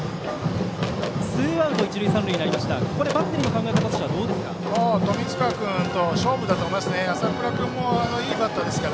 ツーアウト、一塁三塁となってこれはバッテリーの考え方はどうですか？